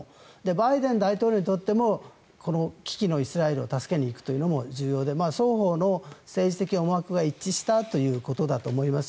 バイデン大統領にとってもこの危機のイスラエルを助けにいくというのも重要で双方の政治的思惑が一致したということだと思います。